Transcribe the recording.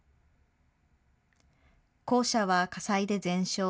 校舎は火災で全焼。